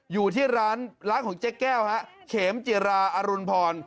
อยู่ที่ร้านร้านของเจ๊แก้วฮะเขมจิราอรุณพร